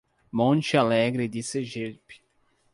Monte Alegre de Sergipe